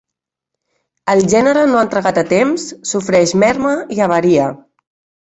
El gènere no entregat a temps, sofreix merma i averia.